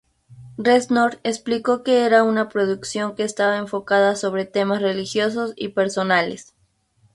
Reznor explicó que era una producción que estaba enfocada sobre temas religiosos y personales.